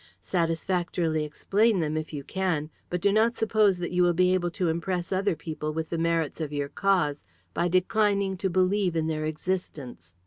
Satisfactorily explain them if you can, but do not suppose that you will be able to impress other people with the merits of your cause by declining to believe in their existence.